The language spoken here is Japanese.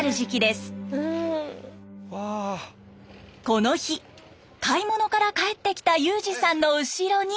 この日買い物から帰ってきた優兒さんの後ろに。